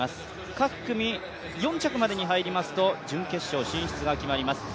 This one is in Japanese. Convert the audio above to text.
各組４着までに入りますと準決勝進出が決まります。